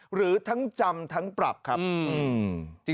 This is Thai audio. หรือทั้งจำทั้งปรับครับ